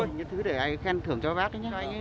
tôi đã làm những thứ để ai khen thưởng cho bác đấy nhé